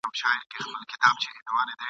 قام ته د منظور پښتین ویاړلې ابۍ څه وايي ..